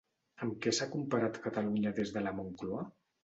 Amb què s'ha comparat Catalunya des de la Moncloa?